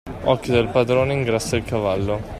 L'occhio del padrone ingrassa il cavallo.